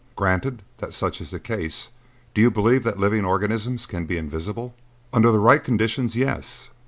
Granted that such is the case, do you believe that living organisms can be invisible?" "Under the right conditions, yes.